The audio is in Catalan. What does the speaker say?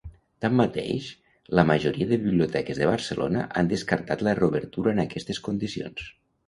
Tanmateix, la majoria de biblioteques de Barcelona han descartat la reobertura en aquestes condicions.